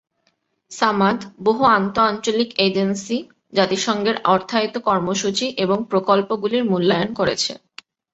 সামাদ বহু আন্ত-আঞ্চলিক এজেন্সি, জাতিসংঘের অর্থায়িত কর্মসূচি এবং প্রকল্পগুলির মূল্যায়ন করেছে।